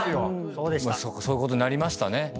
そういうことになりましたね。